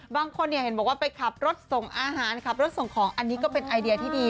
บางคนเห็นบอกว่าไปขับรถส่งอาหารขับรถส่งของอันนี้ก็เป็นไอเดียที่ดี